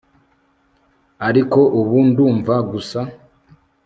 Ariko ubu ndumva gusa